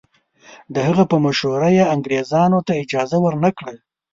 د هغه په مشوره یې انګریزانو ته اجازه ورنه کړه.